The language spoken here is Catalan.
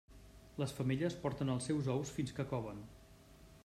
Les femelles porten els seus ous fins que coven.